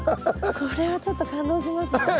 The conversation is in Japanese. これはちょっと感動しますね。